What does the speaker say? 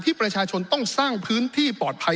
ประชาชนต้องสร้างพื้นที่ปลอดภัย